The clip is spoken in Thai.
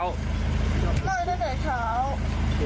ไล่ตั้งแต่เช้า